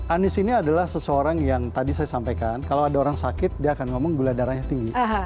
anies ini adalah seseorang yang tadi saya sampaikan kalau ada orang sakit dia akan ngomong gula darahnya tinggi